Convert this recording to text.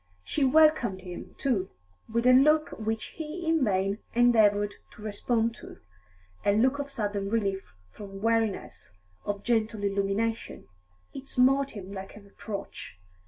She welcomed him, too, with a look which he in vain endeavoured to respond to a look of sudden relief from weariness, of gentle illumination; it smote him like a reproach.